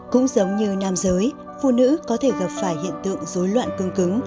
cũng giống như nam giới phụ nữ có thể gặp phải hiện tượng dối loạn cương cứng